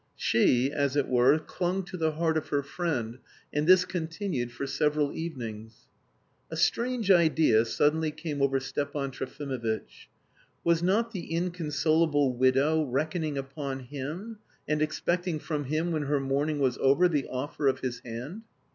She, as it were, clung to the heart of her friend, and this continued for several evenings. A strange idea suddenly came over Stepan Trofimovitch: "Was not the inconsolable widow reckoning upon him, and expecting from him, when her mourning was over, the offer of his hand?"